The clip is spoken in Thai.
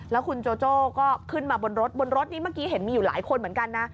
แล้วคุณโจโจ้ก็ขึ้นมาบนรถบนรถนี้เมื่อกี้เห็นมีอยู่หลายคนเหมือนกันนะ